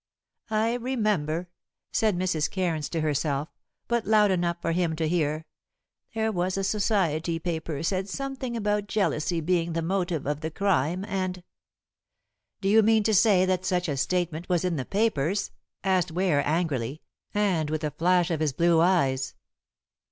"I remember," said Mrs. Cairns to herself, but loud enough for him to hear, "there was a Society paper said something about jealousy being the motive of the crime, and " "Do you mean to say that such a statement was in the papers?" asked Ware angrily, and with a flash of his blue eyes.